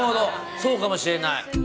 そうかもしれない。